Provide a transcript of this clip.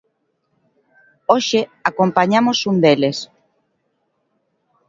Hoxe acompañamos un deles.